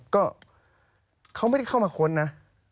ก็เขาไม่ได้เข้ามาค้นนะ